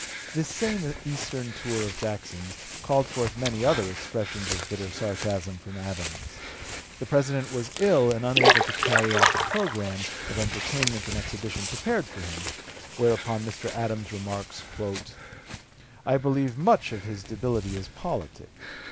This same eastern tour of Jackson's called forth many other expressions of bitter sarcasm from Adams. The President was ill and unable to carry out the programme of entertainment and exhibition prepared for him: whereupon Mr. Adams remarks: "I believe much of his debility is politic....